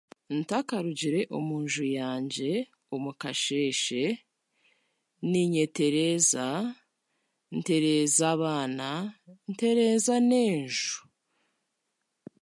Ntakarugire omu nju yangye omu kasheeshe, niinyetereeza, ntereeza abaana, ntereeza n'enju